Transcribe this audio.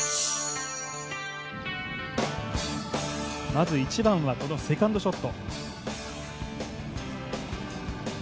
まず１番はこのセカンドショット。